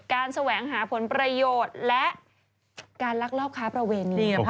แสวงหาผลประโยชน์และการลักลอบค้าประเวณี